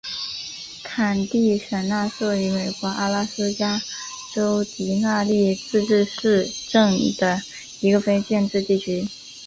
坎蒂什纳是位于美国阿拉斯加州迪纳利自治市镇的一个非建制地区。